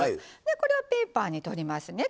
これをペーパーにとりますね